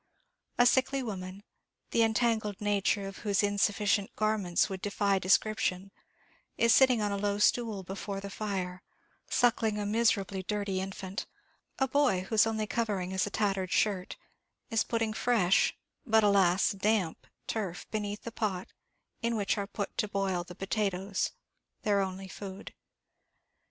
A sickly woman, the entangled nature of whose insufficient garments would defy description, is sitting on a low stool before the fire, suckling a miserably dirty infant; a boy, whose only covering is a tattered shirt, is putting fresh, but, alas, damp turf beneath the pot in which are put to boil the potatoes their only food.